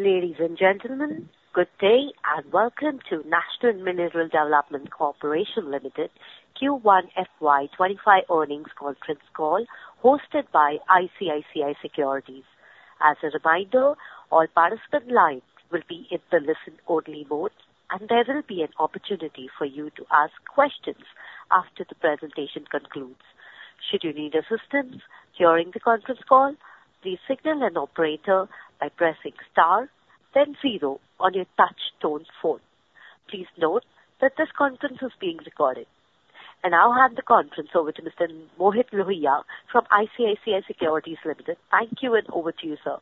Ladies and gentlemen, good day, and welcome to National Mineral Development Corporation Limited Q1 FY25 earnings conference call, hosted by ICICI Securities. As a reminder, all participant lines will be in the listen-only mode, and there will be an opportunity for you to ask questions after the presentation concludes. Should you need assistance during the conference call, please signal an operator by pressing star then zero on your touch tone phone. Please note that this conference is being recorded. Now I'll hand the conference over to Mr. Mohit Lohia from ICICI Securities Limited. Thank you, and over to you, sir.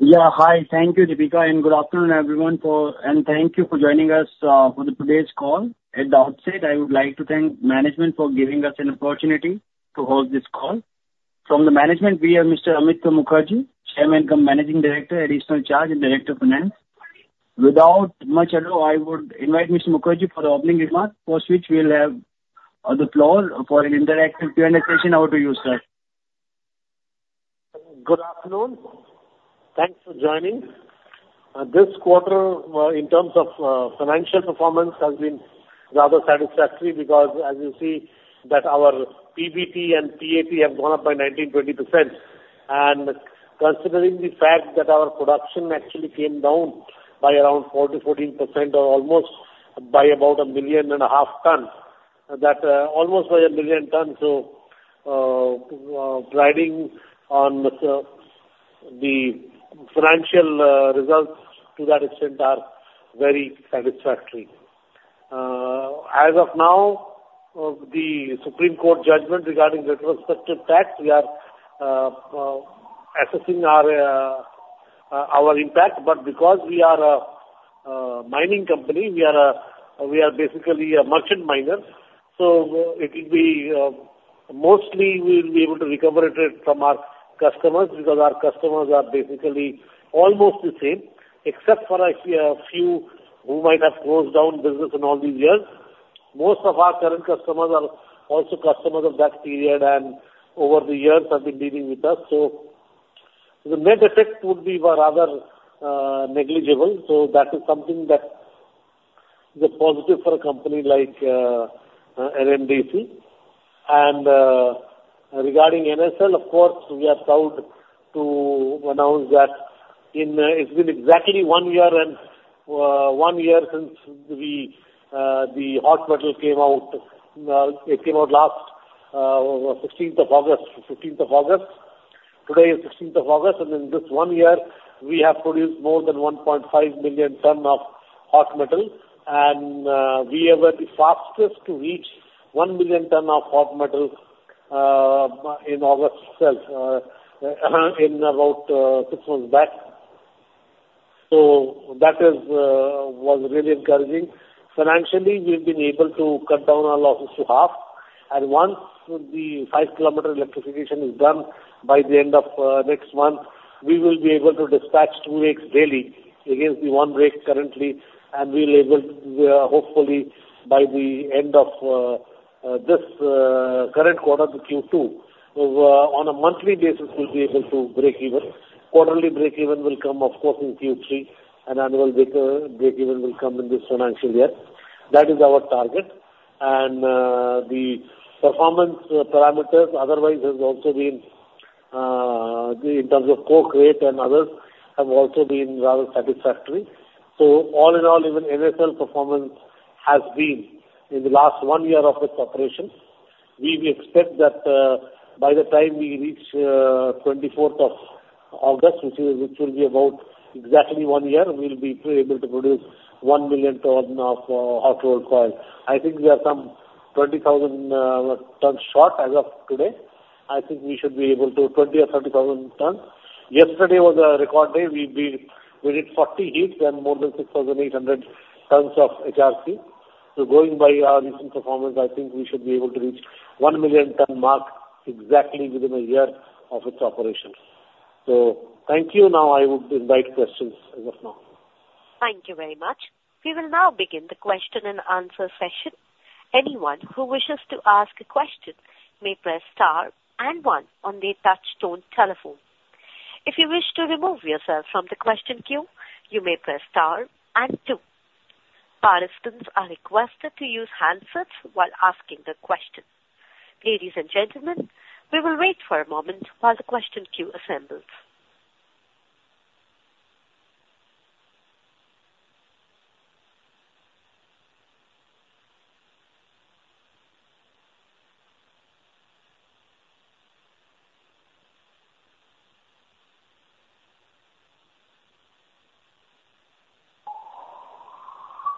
Yeah. Hi. Thank you, Deepika, and good afternoon, everyone, and thank you for joining us for today's call. At the outset, I would like to thank management for giving us an opportunity to hold this call. From the management, we have Mr. Amitava Mukherjee, Chairman and Managing Director, Additional Charge, and Director of Finance. Without much ado, I would invite Mr. Mukherjee for opening remarks, for which we'll have the floor for an interactive Q&A session. Over to you, sir. Good afternoon. Thanks for joining. This quarter, in terms of financial performance, has been rather satisfactory, because as you see that our PBT and PAT have gone up by 19%-20%. And considering the fact that our production actually came down by around 4%-14%, or almost by about 1.5 million tons, that almost by 1 million tons. So, riding on the financial results to that extent are very satisfactory. As of now, the Supreme Court judgment regarding retrospective tax, we are assessing our impact. But because we are a mining company, we are a, we are basically a merchant miner, so it will be mostly we will be able to recover it from our customers, because our customers are basically almost the same, except for a few, a few who might have closed down business in all these years. Most of our current customers are also customers of that period, and over the years have been dealing with us. So the net effect would be rather negligible. So that is something that is a positive for a company like NMDC. And regarding NSL, of course, we are proud to announce that in it's been exactly one year and one year since we the hot metal came out. It came out last sixteenth of August, sixteenth of August. Today is the sixteenth of August, and in this one year, we have produced more than 1.5 million tons of hot metal. And we were the fastest to reach 1 million tons of hot metal in August itself in about six months back. So that is was really encouraging. Financially, we've been able to cut down our losses to half, and once the 5-kilometer electrification is done by the end of next month, we will be able to dispatch 2 rakes daily against the 1 rake currently. And we will able hopefully by the end of this current quarter, the Q2, on a monthly basis, we'll be able to break even. Quarterly break even will come, of course, in Q3, and annual break even will come in this financial year. That is our target. The performance parameters otherwise has also been in terms of coke rate and others, have also been rather satisfactory. So all in all, even NSL performance has been in the last one year of its operations. We will expect that by the time we reach 24th of August, which is, which will be about exactly one year, we'll be able to produce 1 million ton of hot rolled coil. I think we are some 20,000 tons short as of today. I think we should be able to 20,000 or 30,000 tons. Yesterday was a record day. We've been, we did 40 heats and more than 6,800 tons of HRC. So going by our recent performance, I think we should be able to reach 1 million ton mark exactly within a year of its operations. So thank you. Now I would invite questions as of now. Thank you very much. We will now begin the question-and-answer session. Anyone who wishes to ask a question may press star and one on their touchtone telephone. If you wish to remove yourself from the question queue, you may press star and two. Participants are requested to use handsets while asking the question. Ladies and gentlemen, we will wait for a moment while the question queue assembles.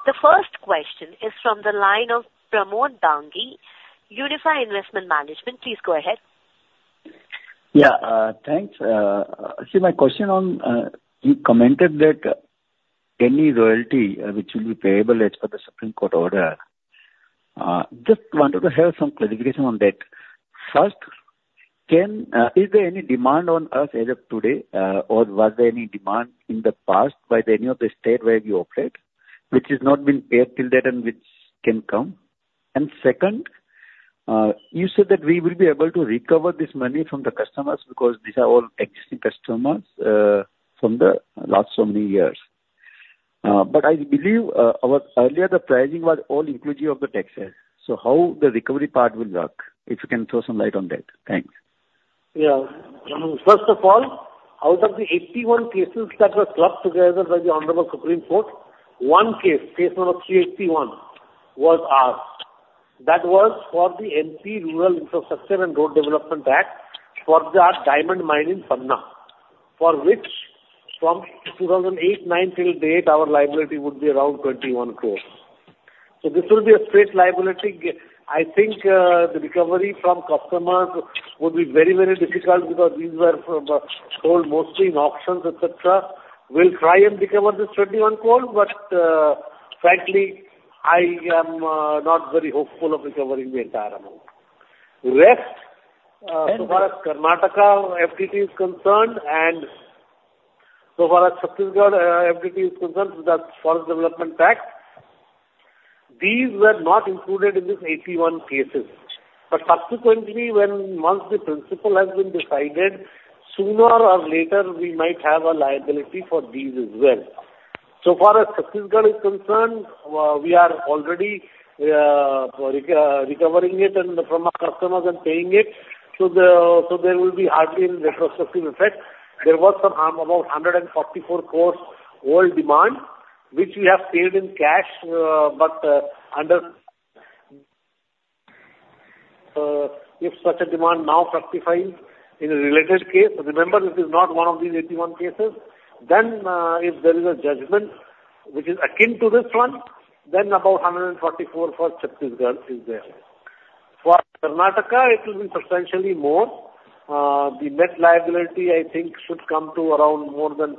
The first question is from the line of Pramod Dangi, Unifi Investment Management. Please go ahead. Yeah, thanks. See, my question on, you commented that any royalty which will be payable as per the Supreme Court order, just wanted to have some clarification on that. First, can, is there any demand on us as of today, or was there any demand in the past by any of the state where we operate, which has not been paid till date and which can come? And second-... You said that we will be able to recover this money from the customers because these are all existing customers, from the last so many years. But I believe, our earlier, the pricing was all inclusive of the taxes, so how the recovery part will work, if you can throw some light on that? Thanks. Yeah. First of all, out of the 81 cases that were clubbed together by the Honorable Supreme Court, one case, case number 381, was ours. That was for the MP Rural Infrastructure and Road Development Act for our diamond mine in Panna, for which from 2008-09 till date, our liability would be around 21 crore. So this will be a straight liability. I think, the recovery from customers would be very, very difficult because these were from, sold mostly in auctions, et cetera. We'll try and recover this 21 crore, but, frankly, I am, not very hopeful of recovering the entire amount. The rest, so far as Karnataka FDT is concerned and so far as Chhattisgarh, FDT is concerned, so that's Forest Development Tax, these were not included in this 81 cases. But subsequently, when once the principle has been decided, sooner or later we might have a liability for these as well. So far as Chhattisgarh is concerned, we are already recovering it from our customers and paying it. So there will be hardly any retrospective effect. There was some about 144 crore old demand, which we have paid in cash, but under... If such a demand now certified in a related case, remember, this is not one of these 81 cases, then if there is a judgment which is akin to this one, then about 144 crore for Chhattisgarh is there. For Karnataka, it will be substantially more. The net liability I think should come to around more than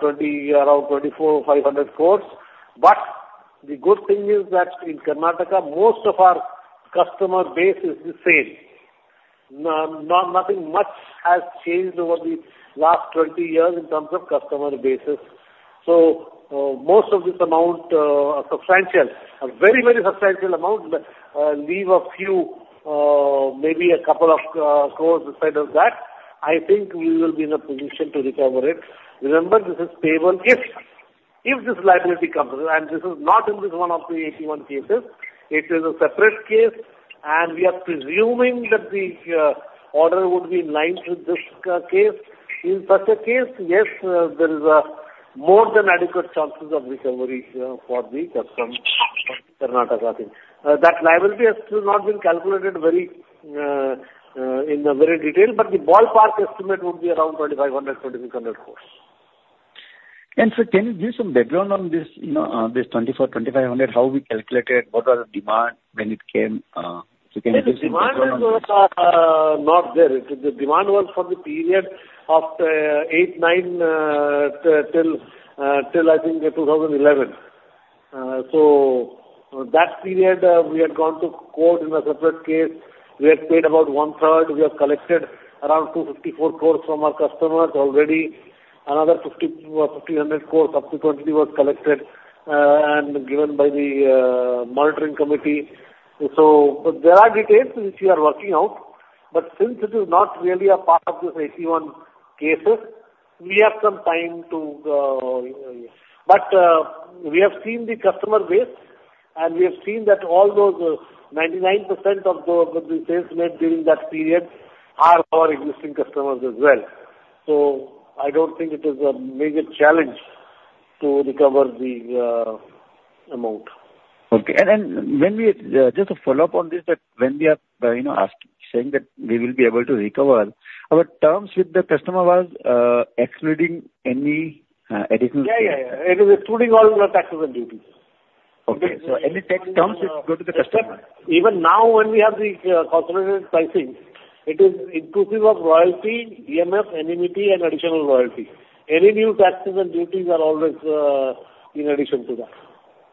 20, around 24,500 crore. But the good thing is that in Karnataka, most of our customer base is the same. Nothing much has changed over the last 20 years in terms of customer bases. So, most of this amount are substantial, a very, very substantial amount, but leave a few, maybe a couple of crore aside of that, I think we will be in a position to recover it. Remember, this is payable if this liability comes in, and this is not in this one of the 81 cases. It is a separate case, and we are presuming that the order would be in line with this case. In such a case, yes, there is more than adequate chances of recovery for the customers in Karnataka, I think. That liability has not been calculated in very great detail, but the ballpark estimate would be around 2,500-2,600 crore. So can you give some background on this, you know, this 24, 2,500, how we calculated, what was the demand when it came? So can you give some background on- The demand is not there. The demand was for the period of 8, 9 till I think 2011. So that period, we had gone to court in a separate case. We had paid about one third. We have collected around 254 crores from our customers already. Another 5,000 crores subsequently was collected and given by the Monitoring Committee. So there are details which we are working out, but since it is not really a part of this 81 cases, we have some time to... But we have seen the customer base, and we have seen that all those 99% of the sales made during that period are our existing customers as well. So I don't think it is a major challenge to recover the amount. Okay. And then when we just a follow-up on this, that when we are, you know, saying that we will be able to recover, our terms with the customer was excluding any additional- Yeah, yeah, yeah. It is excluding all the taxes and duties. Okay. So any tax comes, it will go to the customer? Even now, when we have the consolidated pricing, it is inclusive of royalty, DMF, NMET, and additional royalty. Any new taxes and duties are always in addition to that.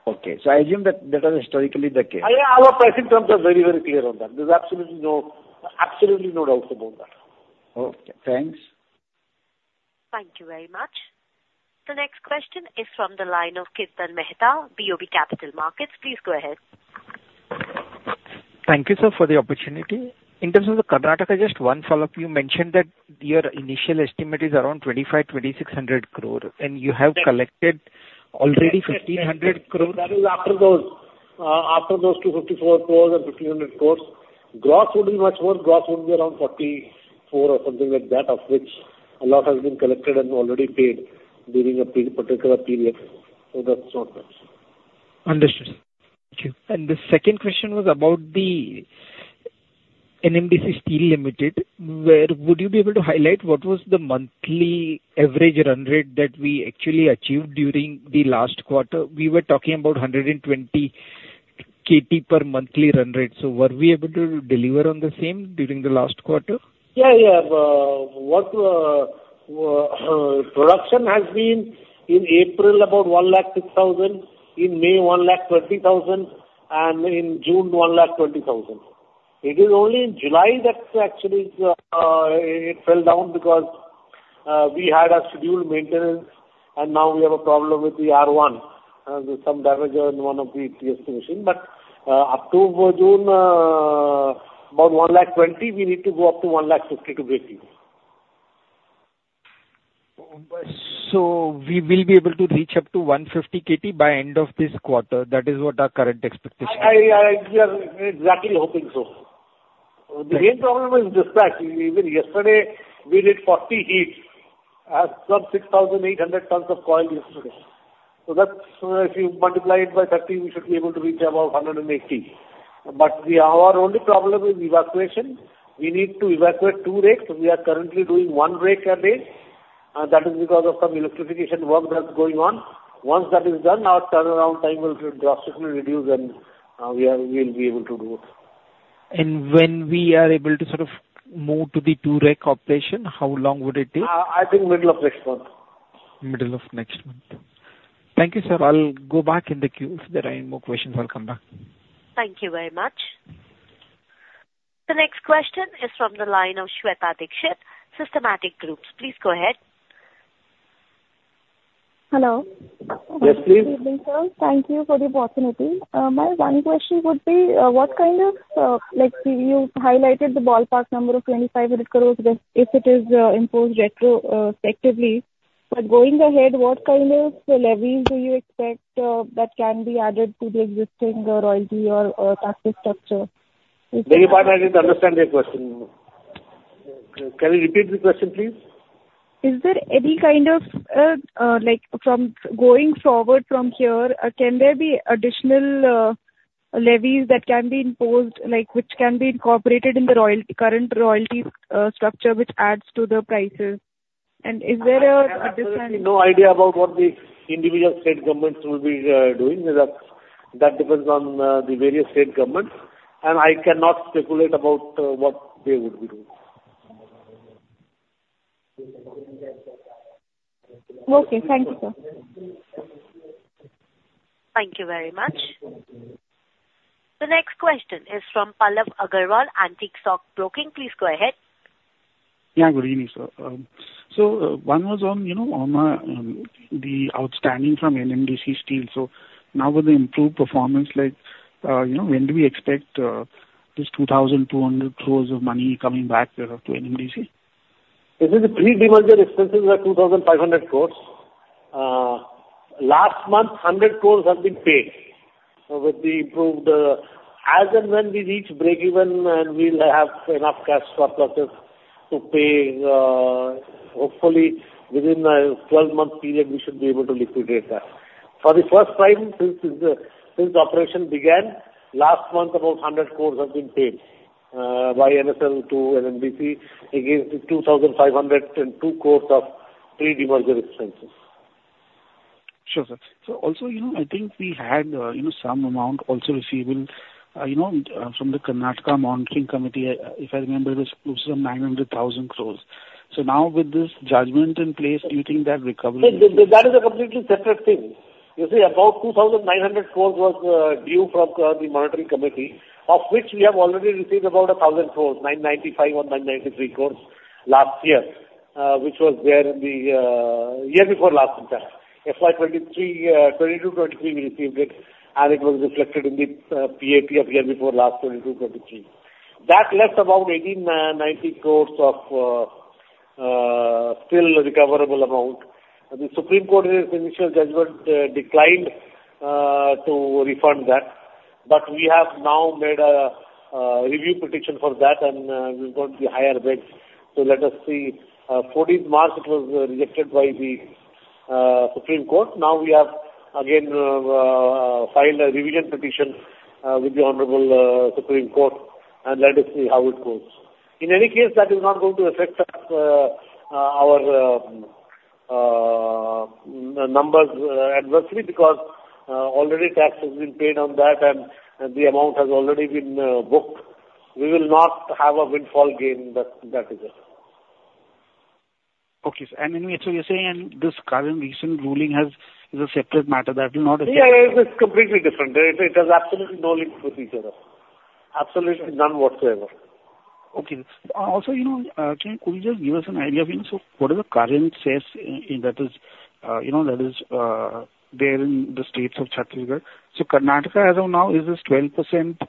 Okay. So I assume that that was historically the case. Yeah, our pricing terms are very, very clear on that. There's absolutely no, absolutely no doubt about that. Okay. Thanks. Thank you very much. The next question is from the line of Kirtan Mehta, BOB Capital Markets. Please go ahead. Thank you, sir, for the opportunity. In terms of the Karnataka, just one follow-up. You mentioned that your initial estimate is around 2,500-2,600 crore, and you have collected already 1,500 crore. That is after those, after those 254 crore and 1,500 crore. Gross would be much more. Gross would be around 44 or something like that, of which a lot has been collected and already paid during a particular period. So that's all that. Understood. Thank you. And the second question was about the NMDC Steel Limited. Where would you be able to highlight what was the monthly average run rate that we actually achieved during the last quarter? We were talking about 120 KT per monthly run rate. So were we able to deliver on the same during the last quarter? Yeah, yeah. Production has been in April, about 1,06,000, in May, 1,20,000, and in June, 1,20,000. It is only in July that actually, it fell down because we had a scheduled maintenance, and now we have a problem with the R1, and there's some damage on one of the EOT machine. But, up to June, about 1,20,000, we need to go up to 1,50,000 to break even. We will be able to reach up to 150 KT by end of this quarter. That is what our current expectation? We are exactly hoping so. Thank you. The main problem is dispatch. Even yesterday, we did 40 heats and some 6,800 tons of coil yesterday. So that's, if you multiply it by 30, we should be able to reach about 180. But the, our only problem is evacuation. We need to evacuate 2 rakes, so we are currently doing 1 rake a day, that is because of some electrification work that's going on. Once that is done, our turnaround time will drastically reduce, and, we are, we will be able to do it. When we are able to sort of move to the two rake operation, how long would it take? I think middle of next month. Middle of next month. Thank you, sir. I'll go back in the queue. If there are any more questions, I'll come back. Thank you very much. The next question is from the line of Shweta Dikshit, Systematix Group. Please go ahead. Hello. Yes, please. Good evening, sir. Thank you for the opportunity. My one question would be, what kind of, like, you highlighted the ballpark number of 2,500 crore, if it is imposed retro, effectively. But going ahead, what kind of levies do you expect, that can be added to the existing royalty or tax structure? Beg your pardon, I didn't understand the question. Can you repeat the question, please? Is there any kind of, like from going forward from here, can there be additional, levies that can be imposed, like, which can be incorporated in the royalty, current royalty, structure, which adds to the prices? And is there a different- I have absolutely no idea about what the individual state governments will be doing. That depends on the various state governments, and I cannot speculate about what they would be doing. Okay, thank you, sir. Thank you very much. The next question is from Pallav Agarwal, Antique Stock Broking. Please go ahead. Yeah, good evening, sir. So, one was on, you know, on, the outstanding from NMDC Steel. So now with the improved performance, like, you know, when do we expect this 2,200 crore of money coming back to NMDC? This is the pre-demerger expenses are 2,500 crore. Last month, 100 crore have been paid. So with the improved, as and when we reach breakeven and we'll have enough cash flow processes to pay, hopefully within a 12-month period, we should be able to liquidate that. For the first time since the, since the operation began, last month, about 100 crore has been paid, by NSL to NMDC against the 2,502 crore of pre-demerger expenses. Sure, sir. So also, you know, I think we had, some amount also receiving, you know, from the Karnataka Monitoring Committee. If I remember, it was close to 900,000 crore. So now with this judgment in place, do you think that recovery- That, that is a completely separate thing. You see, about 2,900 crore was due from the Monitoring Committee, of which we have already received about 1,000 crore, 995 or 993 crore last year, which was there in the year before last time. FY 2023, 2022-23, we received it, and it was reflected in the PAT of year before last, 2022-23. That left about 1,890 crore of still recoverable amount. The Supreme Court's initial judgment declined to refund that. But we have now made a review petition for that, and we've got the higher bids. So let us see. Fourteenth March, it was rejected by the Supreme Court. Now we have again filed a revision petition with the Honorable Supreme Court, and let us see how it goes. In any case, that is not going to affect us our numbers adversely, because already tax has been paid on that and the amount has already been booked. We will not have a windfall gain, but that is it. Okay, sir. Anyway, so you're saying in this current recent ruling is a separate matter that will not affect- Yeah, it is completely different. It, it has absolutely no link with each other. Absolutely none whatsoever. Okay. Also, you know, can you just give us an idea of, you know, so what are the current states in that is, you know, that is, there in the states of Chhattisgarh? So Karnataka, as of now, is this 12%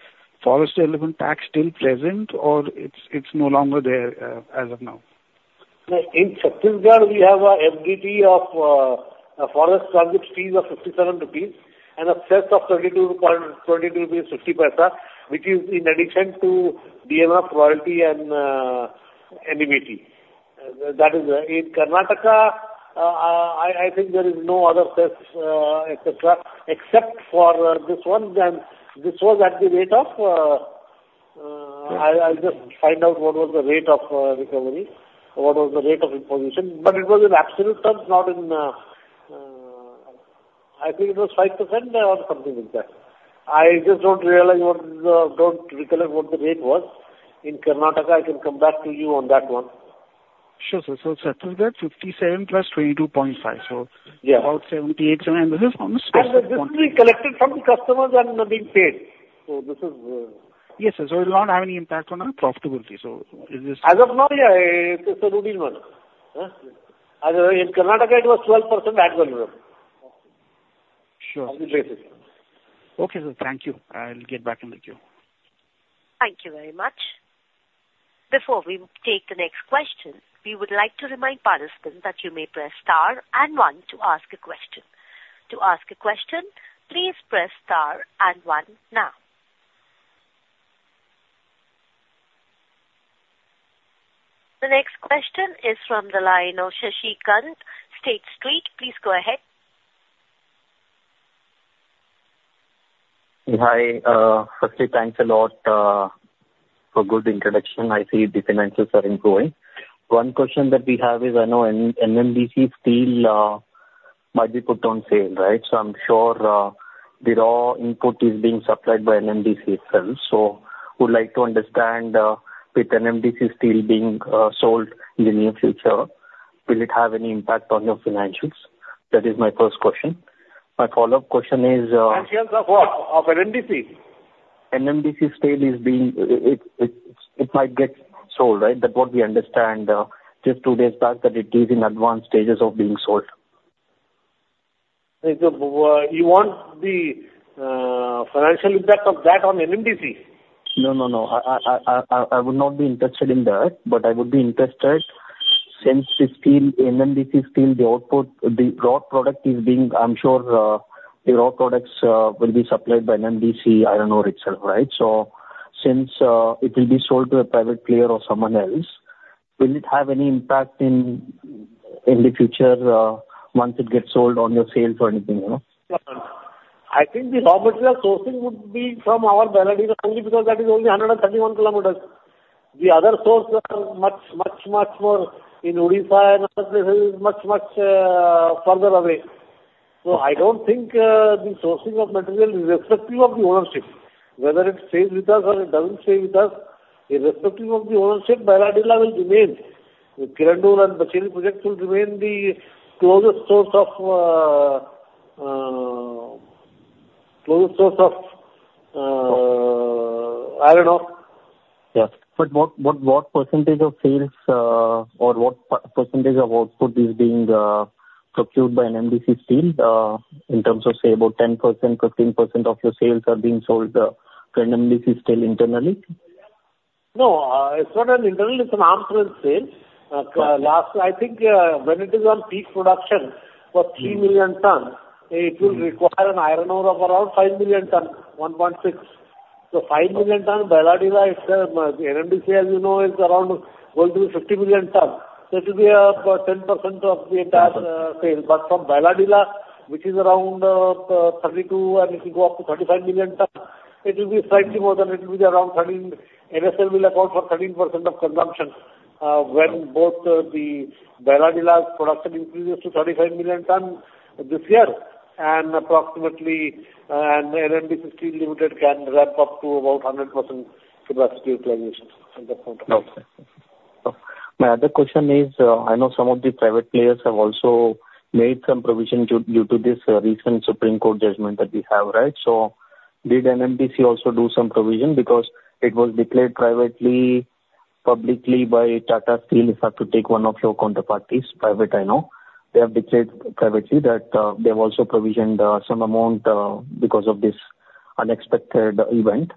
Forest Development Tax still present or it's, it's no longer there, as of now? No, in Chhattisgarh, we have a FDT of a Forest Transit Fees of 57 rupees and a cess of 22.82 rupees, which is in addition to DMF, royalty and and NMET. That is, in Karnataka, I think there is no other cess, etc., except for this one. Then this was at the rate of. Mm-hmm. I, I'll just find out what was the rate of recovery, what was the rate of imposition, but it was in absolute terms, not in. I think it was 5% or something like that. I just don't realize what the, don't recollect what the rate was. In Karnataka, I can come back to you on that one. Sure, sir. Chhattisgarh, 57 + 22.5. So- Yeah. about 78... And this is on the specific point. This is being collected from the customers and being paid... So this is, Yes, sir. So it will not have any impact on our profitability, so is this- As of now, yeah, it will be not. Huh? As in Karnataka, it was 12% back volume. Sure. I will raise it. Okay, sir. Thank you. I'll get back in the queue. Thank you very much. Before we take the next question, we would like to remind participants that you may press star and one to ask a question. To ask a question, please press star and one now. The next question is from the line of Shashikant, State Street. Please go ahead. Hi, firstly, thanks a lot for good introduction. I see the finances are improving. One question that we have is, I know NMDC Steel might be put on sale, right? So I'm sure the raw input is being supplied by NMDC itself. So would like to understand with NMDC Steel being sold in the near future, will it have any impact on your financials? That is my first question. My follow-up question is, Financials of what? Of NMDC? NMDC Steel is being, it might get sold, right? That's what we understand, just two days back, that it is in advanced stages of being sold. You want the financial impact of that on NMDC? No, no, no. I would not be interested in that, but I would be interested, since the steel, NMDC Steel, the output, the raw product is being... I'm sure, the raw products, will be supplied by NMDC iron ore itself, right? So since, it will be sold to a private player or someone else, will it have any impact in the future, once it gets sold, on your sales or anything, you know? I think the raw material sourcing would be from our Bailadila only, because that is only 131 kilometers. The other source are much, much, much more, in Odisha and other places, much, much further away. So I don't think the sourcing of material, irrespective of the ownership, whether it stays with us or it doesn't stay with us, irrespective of the ownership, Bailadila will remain. The Kirandul and Bacheli project will remain the closest source of closest source of iron ore. Yes. But what percentage of sales or what percentage of output is being procured by NMDC Steel in terms of, say, about 10%, 15% of your sales are being sold to NMDC Steel internally? No, it's not an internal, it's an arm's length sale. Last, I think, when it is on peak production for 3 million ton, it will require an iron ore of around 5 million ton, 1.6. So 5 million ton, Bailadila is, NMDC, as you know, is around going to be 50 million ton. So it'll be, about 10% of the entire- Okay. sale. But from Bailadila, which is around 32, and it will go up to 35 million tons, it will be slightly more than, it will be around 13... NSL will account for 13% of consumption, when both, the Bailadila's production increases to 35 million tons this year, and approximately, NMDC Steel Limited can ramp up to about 100% capacity utilization at that point. Okay. My other question is, I know some of the private players have also made some provision due to this recent Supreme Court judgment that we have, right? So did NMDC also do some provision because it was declared privately, publicly by Tata Steel, if I have to take one of your counterparties, private, I know. They have declared privately that they have also provisioned some amount because of this unexpected event.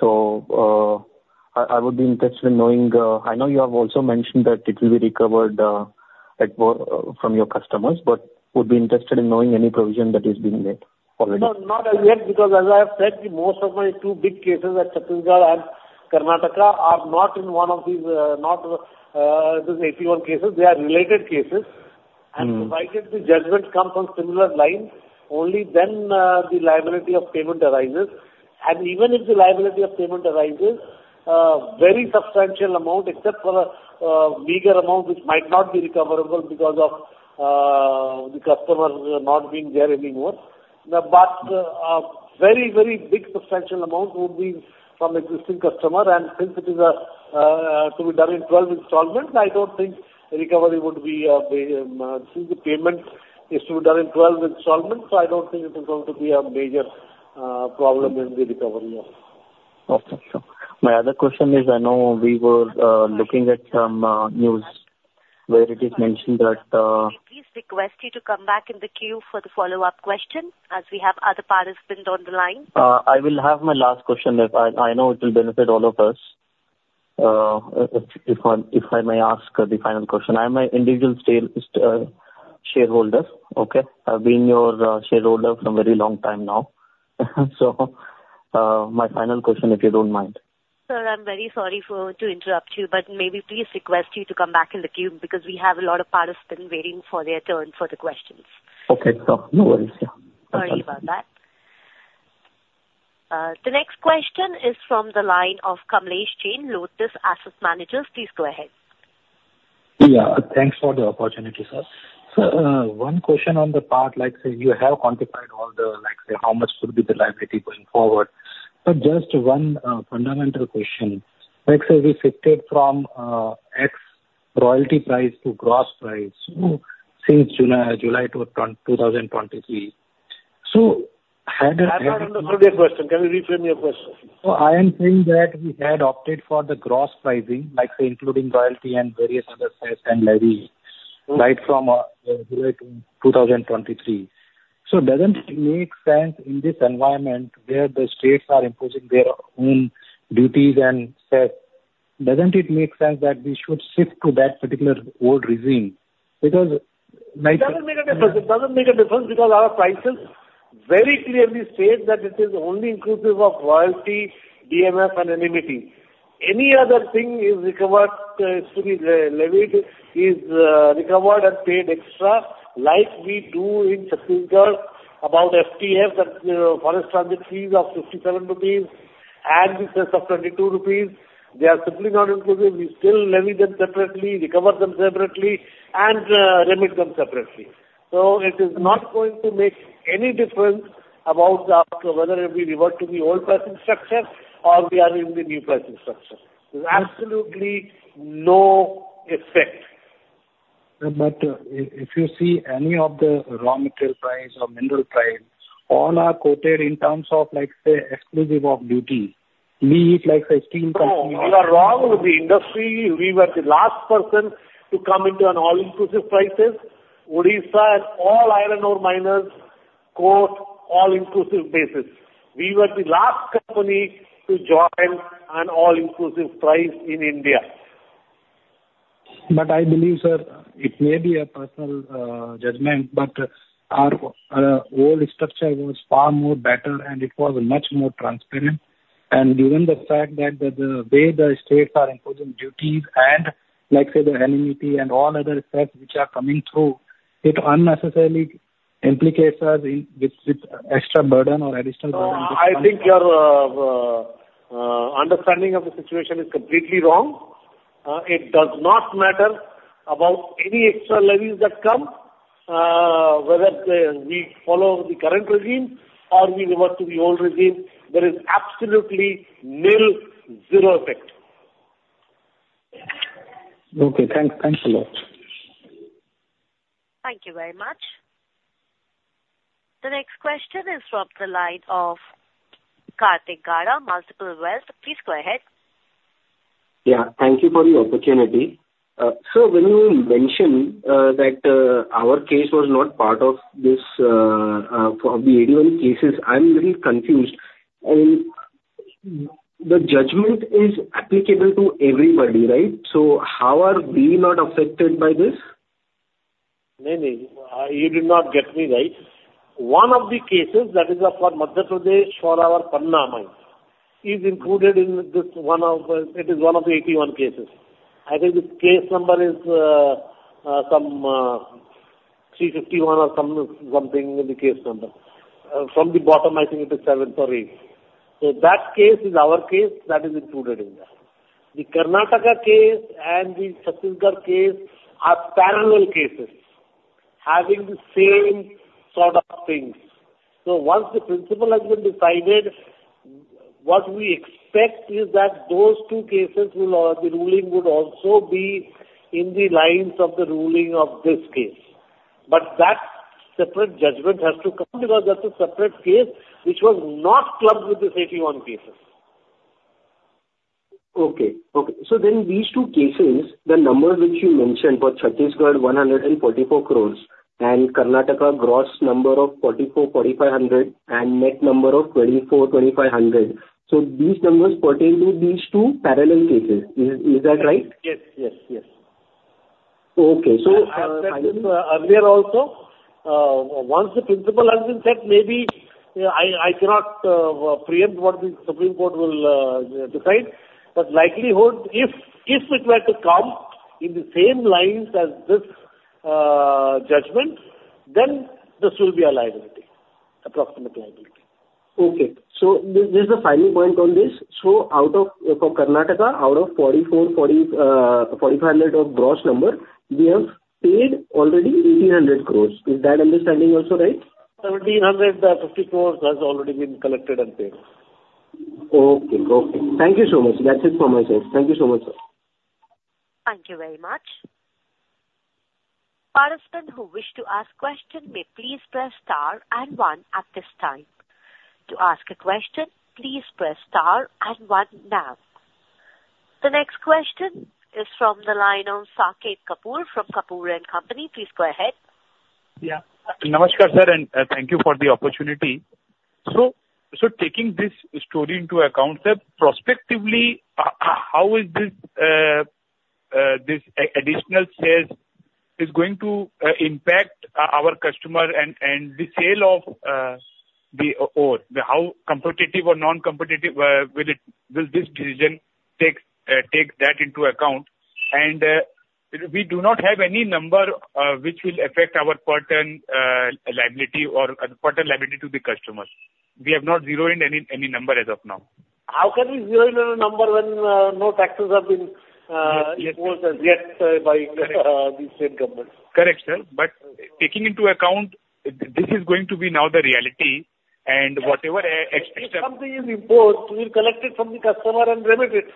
So, I would be interested in knowing... I know you have also mentioned that it will be recovered at more from your customers, but would be interested in knowing any provision that is being made already. No, not as yet, because as I have said, the most of my two big cases at Chhattisgarh and Karnataka are not in one of these, those 81 cases. They are related cases. Mm-hmm. Provided the judgment come from similar lines, only then the liability of payment arises. Even if the liability of payment arises, very substantial amount, except for a meager amount, which might not be recoverable because of the customer not being there anymore. A very, very big substantial amount would be from existing customer, and since it is to be done in 12 installments, I don't think the recovery would be, since the payment is to be done in 12 installments, so I don't think it is going to be a major problem in the recovery year. Okay. Sure. My other question is, I know we were looking at some news where it is mentioned that. We please request you to come back in the queue for the follow-up question, as we have other participants on the line. I will have my last question, if I know it will benefit all of us, if I may ask the final question. I'm an individual small shareholder, okay? I've been your shareholder for a very long time now. So, my final question, if you don't mind. Sir, I'm very sorry to interrupt you, but maybe please request you to come back in the queue because we have a lot of participants waiting for their turn for the questions. Okay, sure. No worries, yeah. Sorry about that. The next question is from the line of Kamlesh Jain, Lotus Asset Managers. Please go ahead. Yeah, thanks for the opportunity, sir. So, one question on the part, like, say you have quantified all the, like, say, how much could be the liability going forward, but just one, fundamental question. Like, say, we shifted from royalty price to gross price since June, July 2023. So had- I've not understood your question. Can you reframe your question? So I am saying that we had opted for the gross pricing, like say, including royalty and various other sales and levies, right from July 2023. So doesn't it make sense in this environment where the states are imposing their own duties and sales, doesn't it make sense that we should shift to that particular old regime? Because like- It doesn't make a difference. It doesn't make a difference, because our prices very clearly state that it is only inclusive of royalty, DMF and NMET. Any other thing is recovered to be levied, is recovered and paid extra, like we do in Chhattisgarh, about FTF, that Forest Transit Fees of 57 rupees and the sales of 22 rupees, they are simply not inclusive. We still levy them separately, recover them separately, and remit them separately. So it is not going to make any difference about the, whether it be revert to the old pricing structure or we are in the new pricing structure. There's absolutely no effect. But, if you see any of the raw material price or mineral price, all are quoted in terms of, like, say, exclusive of duty. Be it like 15%- No, we are wrong with the industry. We were the last person to come into an all-inclusive prices. Odisha and all iron ore miners quote all-inclusive basis. We were the last company to join an all-inclusive price in India. But I believe, sir, it may be a personal judgment, but our old structure was far more better and it was much more transparent. And given the fact that the way the states are imposing duties and, like, say, the anonymity and all other effects which are coming through, it unnecessarily implicates us in with extra burden or additional burden. No, I think your understanding of the situation is completely wrong. It does not matter about any extra levies that come, whether we follow the current regime or we revert to the old regime, there is absolutely nil, zero effect. Okay. Thanks a lot. Thank you very much. The next question is from the line of Kartik Gada, Multiple Wealth. Please go ahead. Yeah, thank you for the opportunity. So when you mentioned that our case was not part of this of the 81 cases, I'm a little confused. And the judgment is applicable to everybody, right? So how are we not affected by this? No, no. You did not get me right. One of the cases, that is, for Madhya Pradesh, for our Panna mine, is included in this one of. It is one of the 81 cases. I think the case number is some 351 or something in the case number. From the bottom, I think it is seventh or eighth. So that case is our case that is included in that. The Karnataka case and the Chhattisgarh case are parallel cases, having the same sort of things. So once the principle has been decided, what we expect is that those two cases will the ruling would also be in the lines of the ruling of this case. But that separate judgment has to come, because that's a separate case which was not clubbed with this 81 cases. Okay. Okay, so then these two cases, the number which you mentioned for Chhattisgarh, 144 crore, and Karnataka, gross number of 4,400-4,500 crore, and net number of 2,400-2,500 crore. So these numbers pertain to these two parallel cases. Is that right? Yes, yes, yes. Okay. So, I said this earlier also. Once the principle has been set, maybe, I cannot preempt what the Supreme Court will decide. But likelihood, if it were to come in the same lines as this judgment, then this will be our liability, approximate liability. Okay. This is the final point on this. Out of, for Karnataka, out of 4,400, 4,000, 4,500 of gross number, we have paid already 1,800 crore. Is that understanding also right? 1,750 crore has already been collected and paid. Okay. Okay. Thank you so much. That's it for my side. Thank you so much, sir. Thank you very much. Participants who wish to ask question, may please press star and one at this time. To ask a question, please press star and one now. The next question is from the line of Saket Kapoor, from Kapoor & Company. Please go ahead. Yeah. Namaskar, sir, and thank you for the opportunity. So, so taking this story into account, sir, prospectively, how is this additional shares going to impact our customer and the sale of the ore? Then how competitive or non-competitive will this decision take that into account? And we do not have any number which will affect our current liability or current liability to the customers. We have not zeroed any number as of now. How can we zero in on a number when no taxes have been imposed as yet by the state government? Correct, sir. But taking into account, this is going to be now the reality, and whatever, extra- If something is important, we will collect it from the customer and remit it,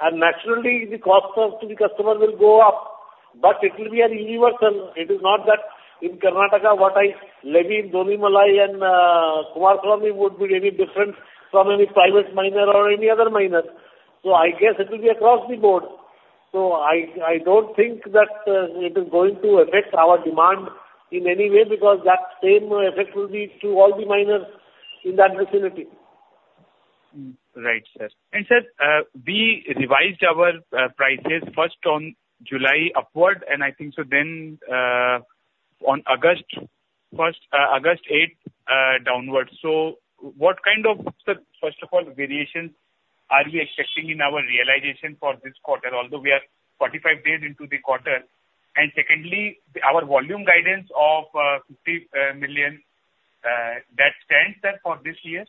and naturally, the cost to the customer will go up. But it will be a universal. It is not that in Karnataka, what I levy in Donimalai and Kumaraswamy would be any different from any private miner or any other miner. So I guess it will be across the board. So I don't think that it is going to affect our demand in any way because that same effect will be to all the miners in that vicinity. Right, sir. And, sir, we revised our prices first on July upward, and I think so then, on August first, August eighth, downwards. So what kind of, first of all, variations are we expecting in our realization for this quarter, although we are 45 days into the quarter? And secondly, our volume guidance of 50 million that stands there for this year?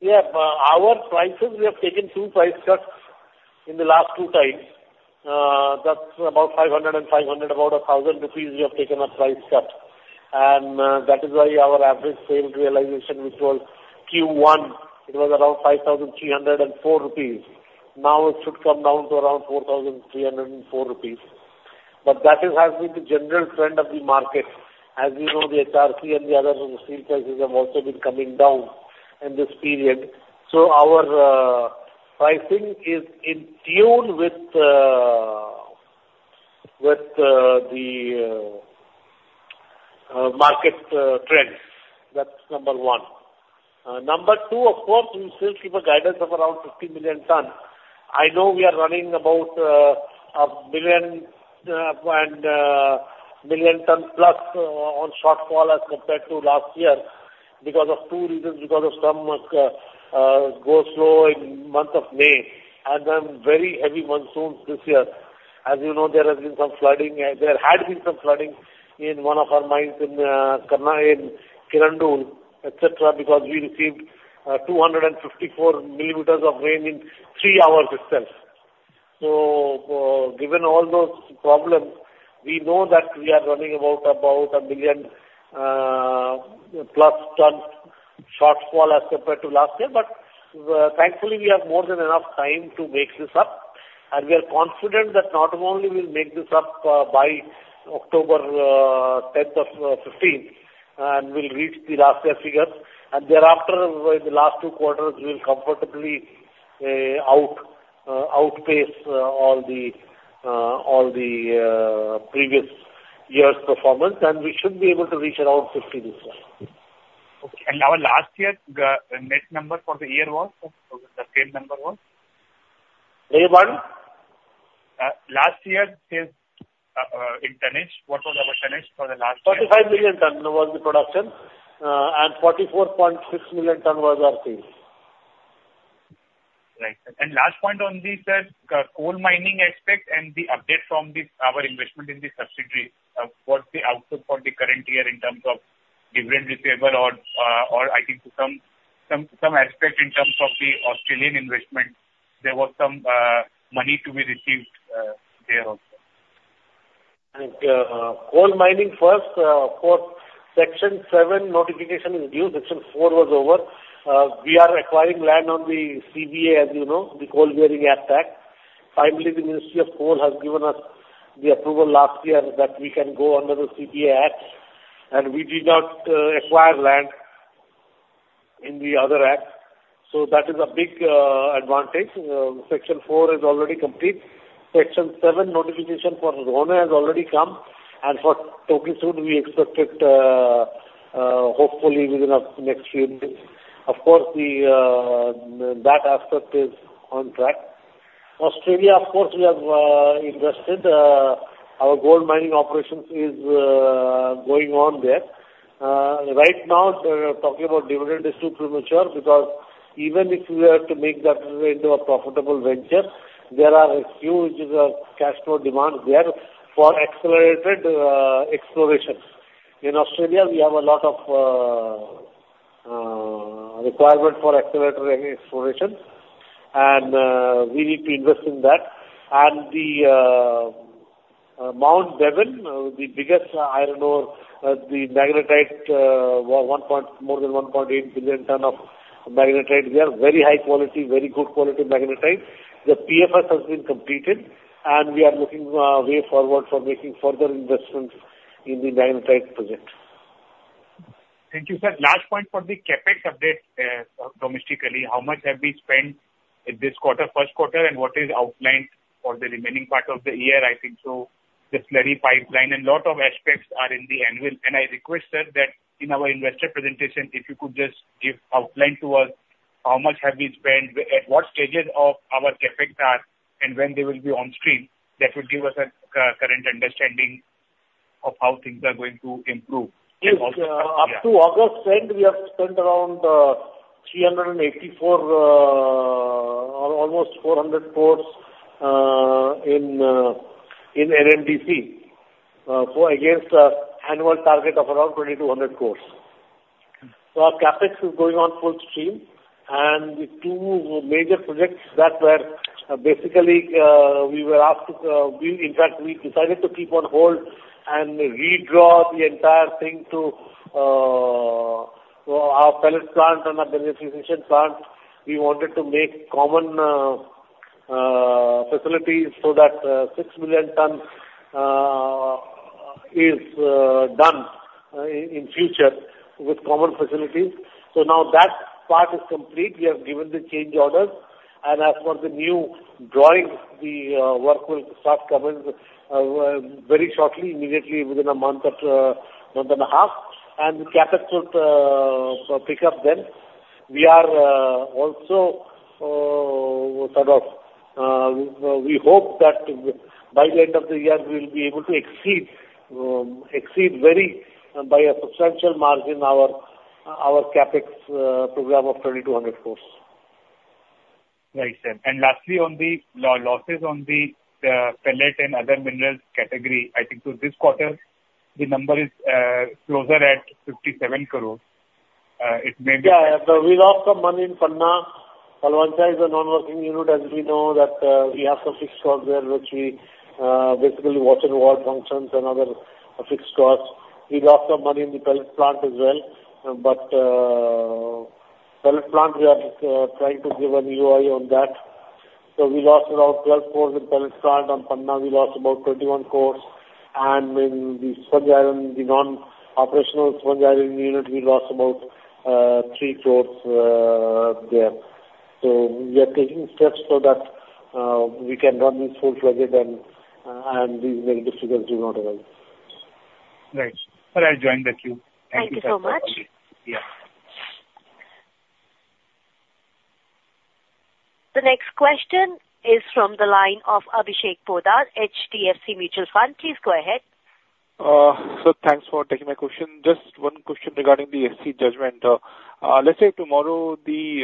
Yeah. But our prices, we have taken two price cuts in the last two times. That's about 500 and 500, about 1,000 rupees we have taken a price cut. And, that is why our average sale realization, which was Q1, it was around 5,304 rupees. Now it should come down to around 4,304 rupees. But that has been the general trend of the market. As you know, the HRC and the other steel prices have also been coming down in this period. So our pricing is in tune with the market trends. That's number one. Number two, of course, we still keep a guidance of around 50 million ton. I know we are running about 1 million ton plus on shortfall as compared to last year, because of two reasons: because of some go slow in month of May, and then very heavy monsoons this year. As you know, there has been some flooding, and there had been some flooding in one of our mines in Bacheli, Kirandul, et cetera, because we received 254 millimeters of rain in three hours itself. So, given all those problems, we know that we are running about 1 million plus ton shortfall as compared to last year. But, thankfully, we have more than enough time to make this up, and we are confident that not only we'll make this up by October 10th or 15th, and we'll reach the last year figures. Thereafter, in the last two quarters, we will comfortably outpace all the previous year's performance, and we should be able to reach around 50 this year. Okay. Our last year, net number for the year was, the same number was? Beg your pardon? Last year sales, in tonnage, what was our tonnage for the last year? 45 million tons was the production, and 44.6 million tons was our sales. Right. And last point on the said coal mining aspect and the update from our investment in the subsidiary, what's the outlook for the current year in terms of dividend receivable or I think to some aspect in terms of the Australian investment, there was some money to be received there also. Coal mining first, for Section 7 notification is due. Section 4 was over. We are acquiring land on the CBA, as you know, the Coal Bearing Areas Act. I believe the Ministry of Coal has given us the approval last year that we can go under the CBA Act, and we did not acquire land in the other act, so that is a big advantage. Section 4 is already complete. Section 7, notification for Rohne has already come, and for Tokisud, we expect it, hopefully within the next few days. Of course, that aspect is on track. Australia, of course, we have invested. Our gold mining operations is going on there. Right now, we are talking about dividend is too premature, because even if we were to make that into a profitable venture, there are huge cash flow demands there for accelerated explorations. In Australia, we have a lot of requirement for accelerated exploration, and we need to invest in that. And the Mount Bevan, the biggest iron ore, the magnetite, more than 1.8 billion tons of magnetite. They are very high quality, very good quality magnetite. The PFS has been completed, and we are looking a way forward for making further investments in the magnetite project. Thank you, sir. Last point for the CapEx update, domestically, how much have we spent in this quarter, first quarter, and what is outlined for the remaining part of the year? I think so the slurry pipeline and a lot of aspects are in the annual, and I request, sir, that in our investor presentation, if you could just give outline to us, how much have we spent, at what stages of our CapEx are and when they will be on stream, that will give us a current understanding of how things are going to improve. Yes. Up to August end, we have spent around 384 or almost 400 crore INR in NMDC for against annual target of around 2,200 crore INR. So our CapEx is going on full stream, and the two major projects that were basically we were asked to we, in fact, we decided to keep on hold and redraw the entire thing to our pellet plant and our beneficiation plant. We wanted to make common facilities so that 6 million tons is done in future with common facilities. So now that part is complete. We have given the change orders, and as for the new drawings, the work will start coming very shortly, immediately within a month or month and a half, and CapEx will sort of pick up then. We are also sort of we hope that by the end of the year, we'll be able to exceed very by a substantial margin, our CapEx program of 3,200 crore. Right, sir. And lastly, on the losses on the pellet and other minerals category, I think for this quarter, the number is closer at 57 crore. It may be- Yeah, so we lost some money in Panna. Paloncha is a non-working unit, as we know, that we have some fixed costs there, which we basically Watch and Ward functions and other fixed costs. We lost some money in the pellet plant as well, but pellet plant, we are trying to give an EoI on that. So we lost around 12 crore in pellet plant, on Panna we lost about 21 crore, and in the sponge iron, the non-operational sponge iron unit, we lost about 3 crore there. So we are taking steps so that we can run it full-fledged then, and these difficulties do not arise. Right. Well, I'll join the queue. Thank you so much. Yeah. The next question is from the line of Abhishek Poddar, HDFC Mutual Fund. Please go ahead. So thanks for taking my question. Just one question regarding the SC judgment. Let's say tomorrow, the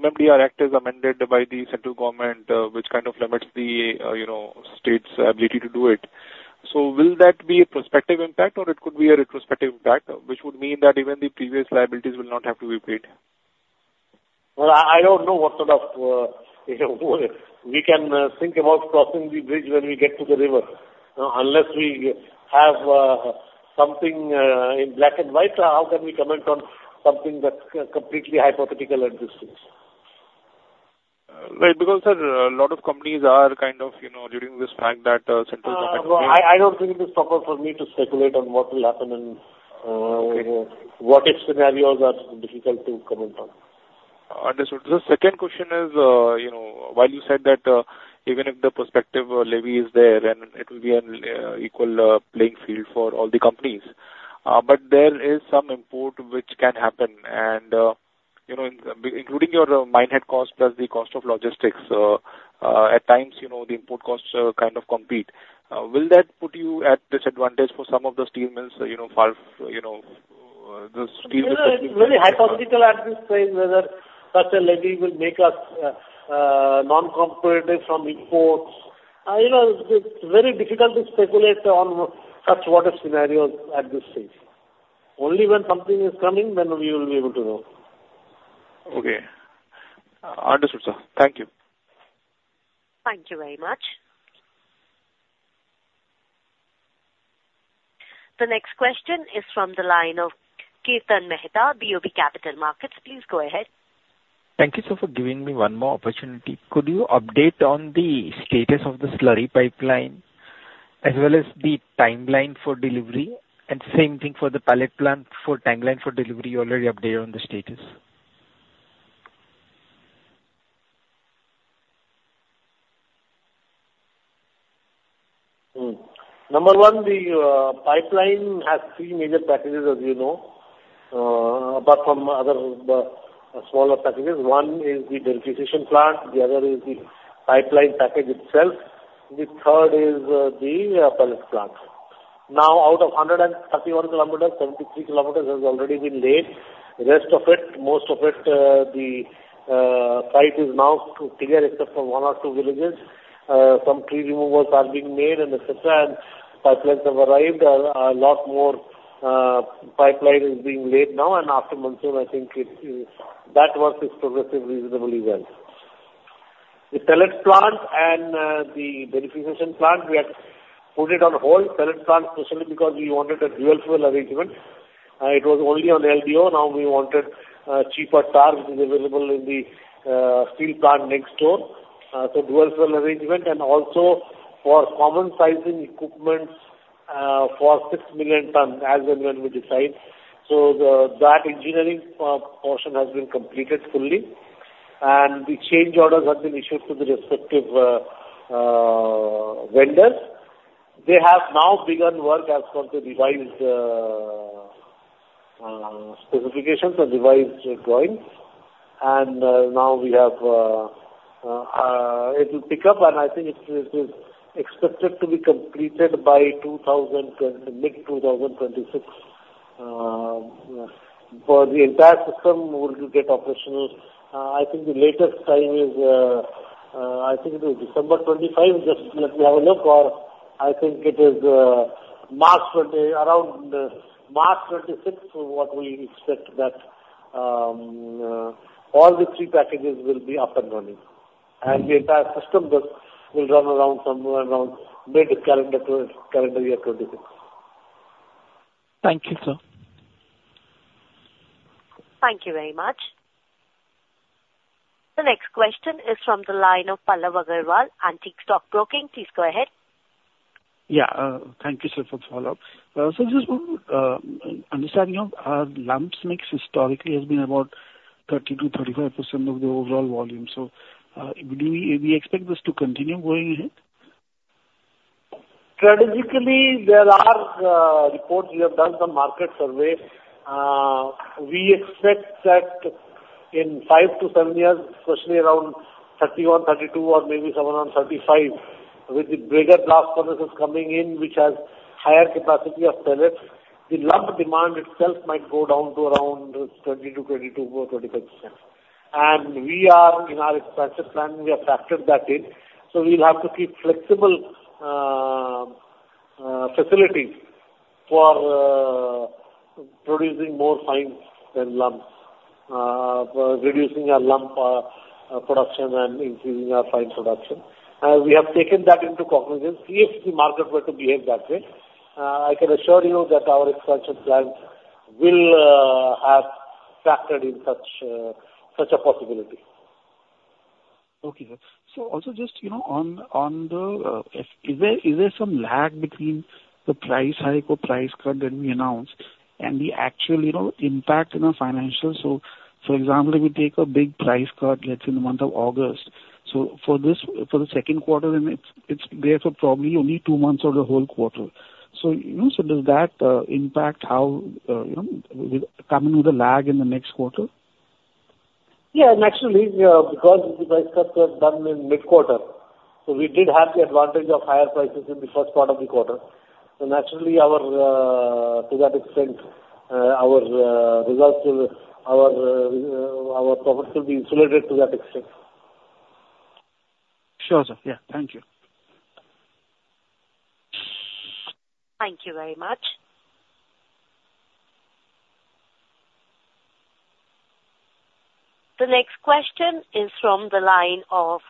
MMDR Act is amended by the central government, which kind of limits the, you know, state's ability to do it. So will that be a prospective impact, or it could be a retrospective impact, which would mean that even the previous liabilities will not have to be paid? Well, I don't know what sort of we can think about crossing the bridge when we get to the river. Unless we have something in black and white, how can we comment on something that's completely hypothetical at this stage? Right. Because, sir, a lot of companies are kind of, you know, reading this fact that central government- Well, I, I don't think it is proper for me to speculate on what will happen in, Okay. What-if scenarios are difficult to comment on. Understood. The second question is, you know, while you said that, even if the prospective levy is there, then it will be an equal playing field for all the companies. But there is some import which can happen and, you know, including your mine head cost, plus the cost of logistics, at times, you know, the import costs kind of compete. Will that put you at disadvantage for some of the steel mills, you know, far, you know, the steel- You know, it's very hypothetical at this stage, whether such a levy will make us non-competitive from imports. You know, it's very difficult to speculate on such what-if scenarios at this stage. Only when something is coming, then we will be able to know. Okay. Understood, sir. Thank you. Thank you very much. The next question is from the line of Kirtan Mehta, BOB Capital Markets. Please go ahead. Thank you, sir, for giving me one more opportunity. Could you update on the status of the slurry pipeline, as well as the timeline for delivery? And same thing for the pellet plant, for timeline for delivery, you already updated on the status. Hmm. Number one, the pipeline has three major packages, as you know, apart from other smaller packages. One is the beneficiation plant, the other is the pipeline package itself. The third is the pellet plant. Now, out of 131 km, 73 km has already been laid. The rest of it, most of it, the site is now clear except for one or two villages. Some tree removals are being made, and et cetera, and pipelines have arrived. A lot more pipeline is being laid now, and after monsoon, I think it that work is progressing reasonably well. The pellet plant and the beneficiation plant, we have put it on hold. Pellet plant especially because we wanted a dual fuel arrangement. It was only on LDO, now we wanted a cheaper tar which is available in the, steel plant next door. So dual fuel arrangement and also for common sizing equipments, for 6 million tons, as and when we decide. So the, that engineering, portion has been completed fully, and the change orders have been issued to the respective, vendors. They have now begun work as per the revised, specifications and revised drawings. And, now we have, it'll pick up, and I think it's, it's expected to be completed by mid-2026. But the entire system will get operational, I think the latest time is, I think it is December 25. Just let me have a look or-... I think it is March 20, around March 26th, what we expect that all the 3 packages will be up and running, and the entire system will, will run around somewhere around mid calendar, calendar year 2026. Thank you, sir. Thank you very much. The next question is from the line of Pallav Agarwal, Antique Stock Broking. Please go ahead. Yeah, thank you, sir, for the follow-up. So just to understanding of our lumps mix historically has been about 30%-35% of the overall volume. So, do we expect this to continue going ahead? Strategically, there are reports. We have done some market survey. We expect that in 5-7 years, especially around 2031, 2032 or maybe somewhere around 2035, with the bigger blast furnaces coming in, which has higher capacity of pellets, the lump demand itself might go down to around 20-22 or 25%. And we are in our expansion plan, we have factored that in, so we'll have to keep flexible facilities for producing more fines than lumps. Reducing our lump production and increasing our fine production. And we have taken that into cognizance. If the market were to behave that way, I can assure you that our expansion plans will have factored in such a possibility. Okay, sir. So also just, you know, on the, is there some lag between the price hike or price cut that we announce and the actual, you know, impact in our financials? So for example, if we take a big price cut, let's say in the month of August, so for this, for the second quarter, and it's there for probably only two months or the whole quarter. So, you know, so does that impact how, you know, coming with a lag in the next quarter? Yeah, naturally, yeah, because the price cuts were done in mid-quarter, so we did have the advantage of higher prices in the first part of the quarter. So naturally, to that extent, our results will, our profit will be insulated to that extent. Sure, sir. Yeah. Thank you. Thank you very much. The next question is from the line of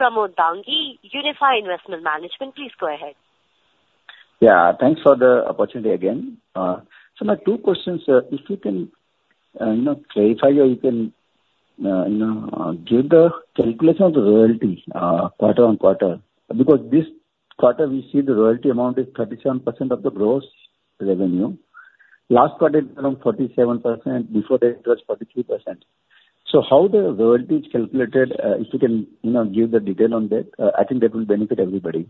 Pramod Dangi, Unifi Investment Management. Please go ahead. Yeah, thanks for the opportunity again. So my two questions, if you can, you know, clarify or you can, you know, give the calculation of the royalty, quarter-on-quarter, because this quarter we see the royalty amount is 37% of the gross revenue. Last quarter it was around 47%, before that it was 43%. So how the royalty is calculated, if you can, you know, give the detail on that, I think that will benefit everybody.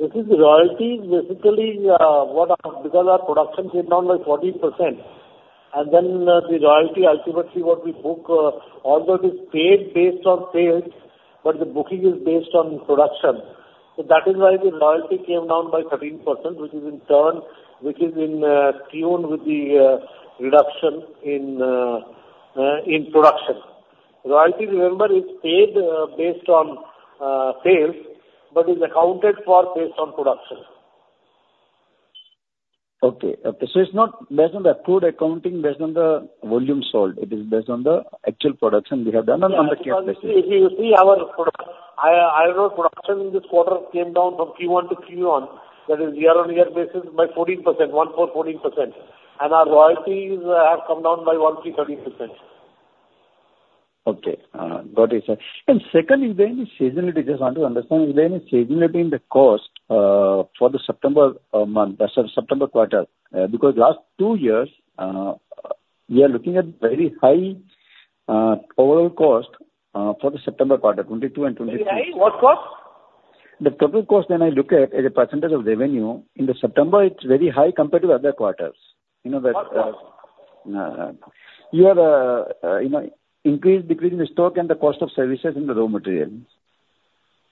This is royalty. Basically, because our production came down by 14%, and then, the royalty ultimately what we book, all that is paid based on sales, but the booking is based on production. So that is why the royalty came down by 13%, which is in turn, which is in tune with the reduction in production. Royalty, remember, is paid based on sales, but is accounted for based on production. Okay. Okay. So it's not based on the accrued accounting, based on the volume sold. It is based on the actual production we have done on the... If you see our product, iron ore production this quarter came down from Q1 to Q1. That is year-over-year basis by 14%, 14%. And our royalties have come down by 1%-13%. Okay, got it, sir. And second, is there any seasonality? Just want to understand, is there any seasonality in the cost, for the September month, that's September quarter? Because last two years, we are looking at very high, overall cost, for the September quarter, 2022 and 2023. Sorry, what cost? The total cost when I look at as a percentage of revenue, in the September, it's very high compared to other quarters. You know that, What cost? You have, you know, increase, decrease in the stock and the cost of services in the raw materials.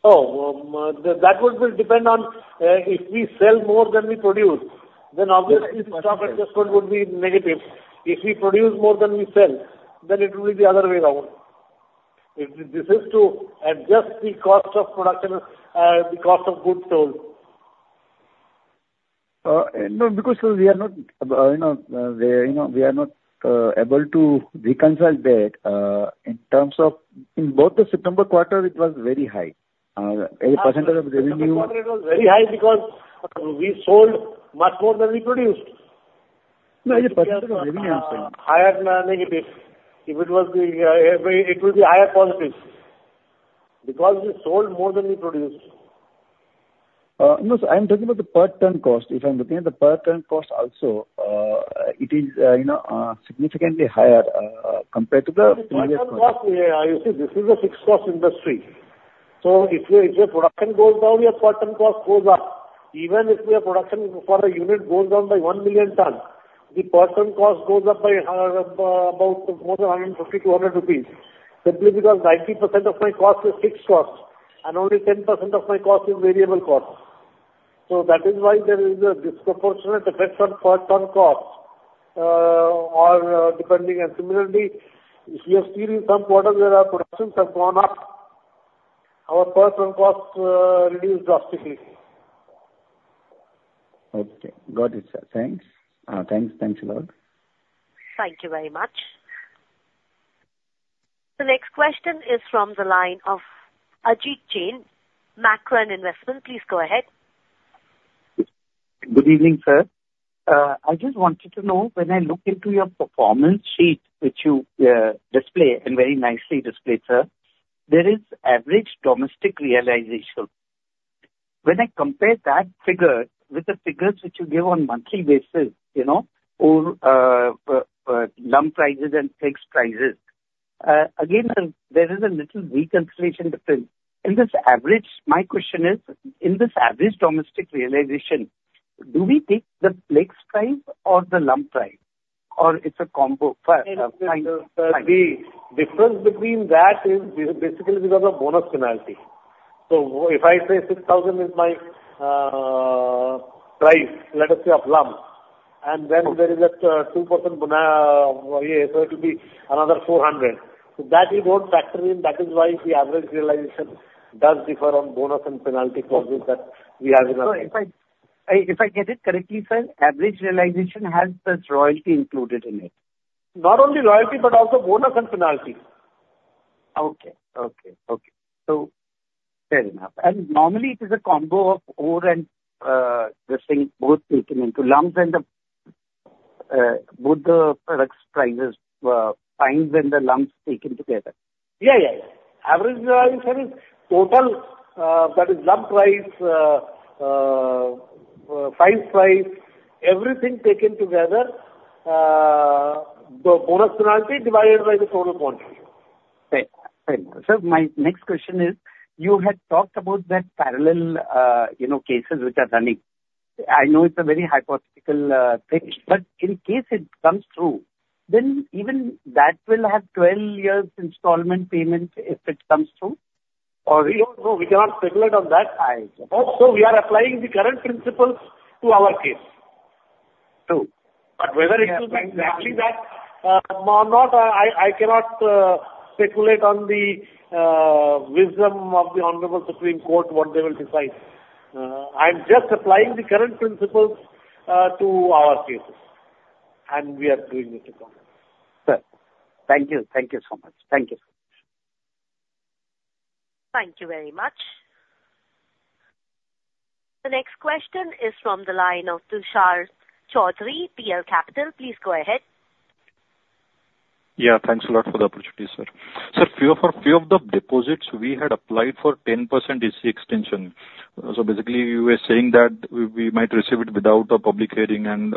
That one will depend on if we sell more than we produce, then obviously- Yes. the stock and the cost would be negative. If we produce more than we sell, then it will be the other way around. If this is to adjust the cost of production, the cost of goods sold. No, because we are not, you know, we, you know, we are not able to reconcile that, in terms of in both the September quarter, it was very high, as a percentage of revenue. It was very high because we sold much more than we produced. No, as a percentage of revenue, I'm saying. Higher negative. If it was the, it will be higher positive, because we sold more than we produced. No, I'm talking about the per ton cost. If I'm looking at the per ton cost also, it is, you know, significantly higher compared to the previous quarter. Yeah, you see, this is a fixed cost industry. So if your production goes down, your per ton cost goes up. Even if your production for a unit goes down by 1 million ton, the per ton cost goes up by about more than 150-100 rupees, simply because 90% of my cost is fixed cost and only 10% of my cost is variable cost. So that is why there is a disproportionate effect on per ton cost, depending. And similarly, if you are selling some product where our productions have gone up, our per ton costs reduced drastically. Okay. Got it, sir. Thanks. Thanks a lot. Thank you very much. The next question is from the line of Ajit Jain, Macquarie Group. Please go ahead. Good evening, sir. I just wanted to know, when I look into your performance sheet, which you display, and very nicely displayed, sir, there is average domestic realization. When I compare that figure with the figures which you give on monthly basis, you know, on lump prices and fines prices, again, there is a little reconciliation difference. My question is, in this average domestic realization, do we take the fines price or the lump price, or it's a combo price? The difference between that is basically because of bonus penalty. So if I say 6,000 is my price, let us say, of lump, and then there is a 2% bonus, so it will be another 400. So that you won't factor in, that is why the average realization does differ on bonus and penalty clauses that we have in our- So if I get it correctly, sir, average realization has this royalty included in it? Not only royalty, but also bonus and penalty. Okay. Okay, okay. So fair enough. And normally it is a combo of ore and this thing, both taken into lumps and the both the products' prices, fines and the lumps taken together. Yeah, yeah, yeah. Average realization is total, that is, lump price, fines price, everything taken together, the bonus penalty divided by the total quantity. Fair. Fair. Sir, my next question is, you had talked about that parallel, you know, cases which are running. I know it's a very hypothetical, thing, but in case it comes through, then even that will have 12 years' installment payments if it comes through? Or we- We don't know. We cannot speculate on that. I suppose. So we are applying the current principles to our case. True. But whether it will be exactly that, or not, I cannot speculate on the wisdom of the Honorable Supreme Court, what they will decide. I'm just applying the current principles to our cases, and we are doing it accordingly. Sir, thank you. Thank you so much. Thank you. Thank you very much. The next question is from the line of Tushar Chaudhari, PL Capital. Please go ahead. Yeah, thanks a lot for the opportunity, sir. Sir, few of the deposits we had applied for 10% EC extension. So basically, you were saying that we might receive it without a public hearing and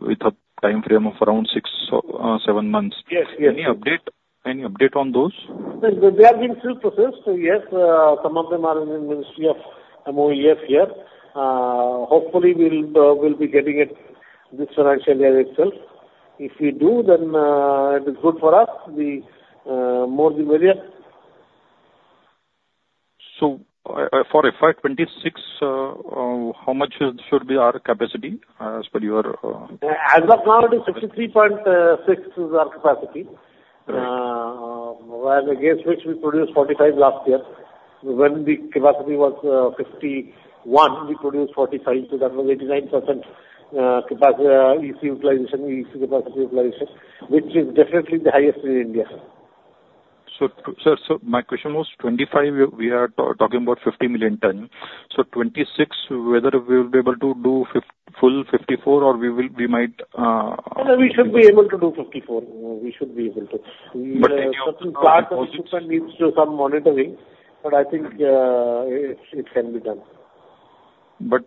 with a time frame of around six or seven months. Yes, yes. Any update, any update on those? They are being still processed. So yes, some of them are in the Ministry of MoEF here. Hopefully, we'll be getting it this financial year itself. If we do, then it is good for us. The more the merrier. For FY 26, how much should be our capacity, as per your- As of now, the 63.6 is our capacity. Right. While against which we produced 45 last year. When the capacity was 51, we produced 45, so that was 89% capacity utilization, which is definitely the highest in India. So, my question was 25, we are talking about 50 million ton. So 26, whether we will be able to do full 54 or we will, we might, No, we should be able to do 54. We should be able to. But then you have-... needs some monitoring, but I think it can be done. No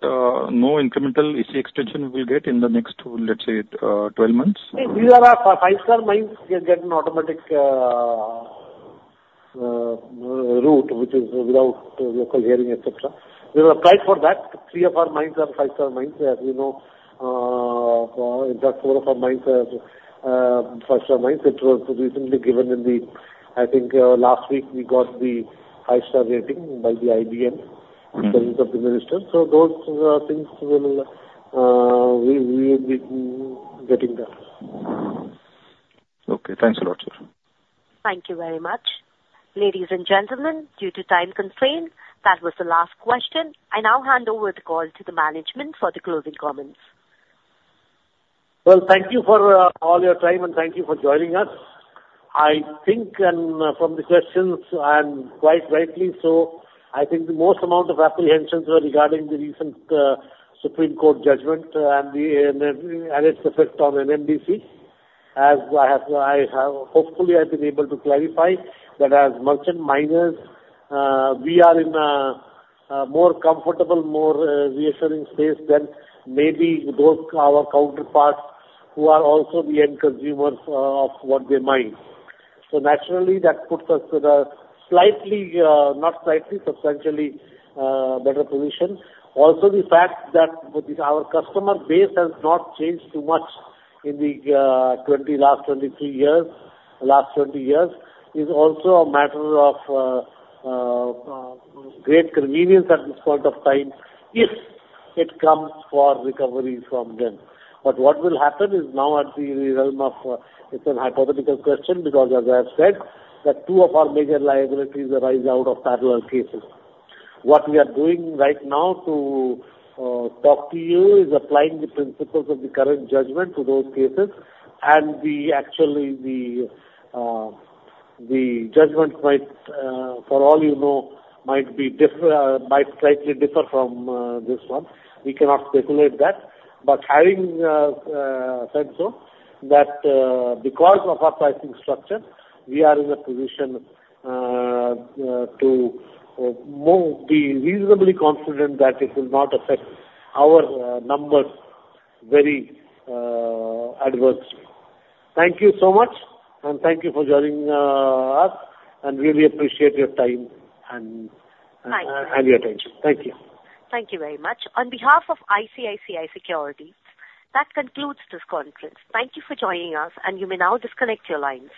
incremental EC extension we'll get in the next, let's say, 12 months? These are our five-star mines. They get an automatic route, which is without local hearing, et cetera. We have applied for that. Three of our mines are five-star mines, as you know. In fact, four of our mines are five-star mines, which was recently given in the... I think last week we got the five-star rating by the IBM- Mm-hmm. -minister. So those things will, we will be getting them. Okay, thanks a lot, sir. Thank you very much. Ladies and gentlemen, due to time constraints, that was the last question. I now hand over the call to the management for the closing comments. Well, thank you for all your time, and thank you for joining us. I think, and from the questions, and quite rightly so, I think the most amount of apprehensions were regarding the recent Supreme Court judgment, and the, and, and its effect on NMDC. As I have, I have, hopefully, I've been able to clarify that as merchant miners, we are in a more comfortable, more reassuring space than maybe those, our counterparts who are also the end consumers of what they mine. So naturally, that puts us in a slightly, not slightly, substantially better position. Also, the fact that our customer base has not changed too much in the last 23 years, last 20 years, is also a matter of great convenience at this point of time, if it comes for recovery from them. But what will happen is now at the realm of, it's a hypothetical question because, as I have said, that two of our major liabilities arise out of parallel cases. What we are doing right now to talk to you is applying the principles of the current judgment to those cases, and actually, the judgment might, for all you know, might slightly differ from this one. We cannot speculate that. But having said so, that because of our pricing structure, we are in a position to more be reasonably confident that it will not affect our numbers very adversely. Thank you so much, and thank you for joining us, and really appreciate your time and Thanks. And your attention. Thank you. Thank you very much. On behalf of ICICI Securities, that concludes this conference. Thank you for joining us, and you may now disconnect your lines.